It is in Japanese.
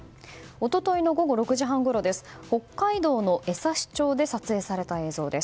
一昨日の午後６時半ごろです。